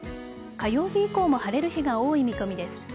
火曜日以降も晴れる日が多い見込みです。